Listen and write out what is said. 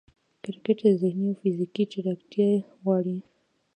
کرکټ ذهني او فزیکي چټکتیا غواړي.